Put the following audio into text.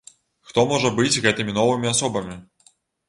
Хто можа быць гэтымі новымі асобамі?